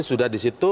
pasti sudah di situ